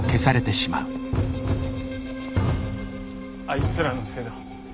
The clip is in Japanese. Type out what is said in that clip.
あいつらのせいだ。